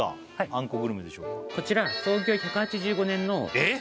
こちら創業１８５年のえっ？